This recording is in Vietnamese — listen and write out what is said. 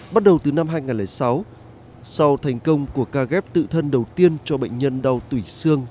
bắt đầu từ năm hai nghìn sáu sau thành công của ca ghép tự thân đầu tiên cho bệnh nhân đau tủy xương